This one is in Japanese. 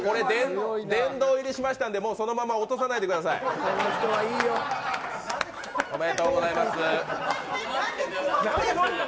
殿堂入りしましたんでそれもう落とさないでください。おめでとうございます。